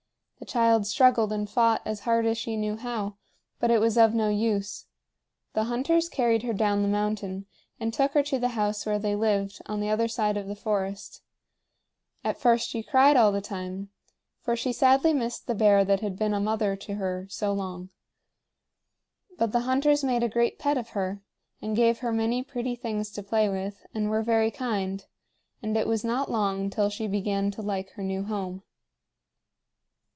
The child struggled and fought as hard as she knew how, but it was of no use. The hunters carried her down the mountain, and took her to the house where they lived on the other side of the forest. At first she cried all the time, for she sadly missed the bear that had been a mother to her so long. But the hunters made a great pet of her, and gave her many pretty things to play with, and were very kind; and it was not long till she began to like her new home.